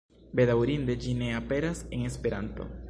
Bedaŭrinde, ĝi ne aperas en Esperanto.